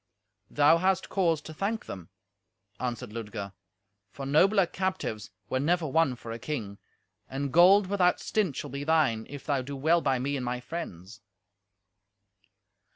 "Thou has cause to thank them," answered Ludger, "for nobler captives were never won for a king; and gold without stint shall be thine, if thou do well by me and my friends."